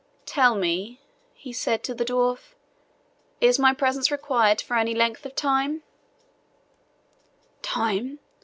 "Tell me," he said to the dwarf, "is my presence required for any length of time?" "Time!"